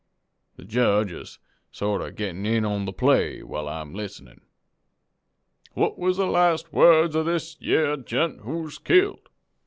The jedge is sorter gettin' in on the play while I'm listenin'. "'What was the last words of this yere gent who's killed?'